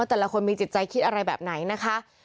แต่ละคนมีจิตใจคิดอะไรแบบไหนนะคะ